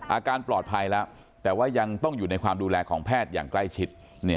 อาการปลอดภัยแล้วแต่ว่ายังต้องอยู่ในความดูแลของแพทย์อย่างใกล้ชิด